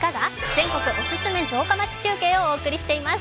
全国おすすめ城下町中継」をお送りしています。